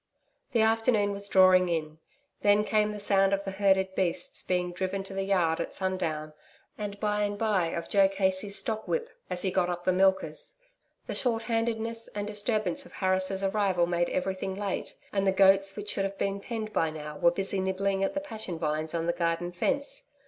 The afternoon was drawing in. Then came the sound of the herded beasts being driven to the yard at sundown and, by and by, of Joe Casey's stockwhip as he got up the milkers. The shorthandedness and disturbance of Harris' arrival made everything late, and the goats which should have been penned by now, were busy nibbling at the passion vines on the garden fence.